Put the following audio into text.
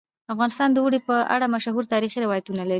افغانستان د اوړي په اړه مشهور تاریخی روایتونه لري.